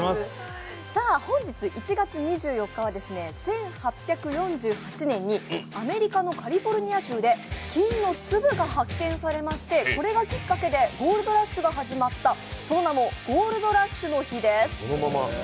本日、１月２４日は１８４８年にアメリカのカリフォルニア州で金の粒が発見されましてこれがきっかけで、ゴールドラッシュが始まったその名もゴールドラッシュの日です。